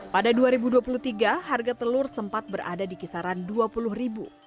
pada dua ribu dua puluh tiga harga telur sempat berada di kisaran rp dua puluh